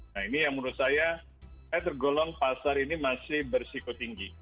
nah ini yang menurut saya saya tergolong pasar ini masih bersiko tinggi